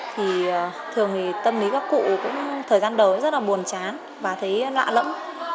thì thường tâm lý các cụ cũng thời gian đầu rất là buồn chán và thấy lạ lẫm